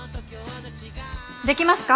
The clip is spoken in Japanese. できますか？